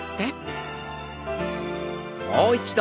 もう一度。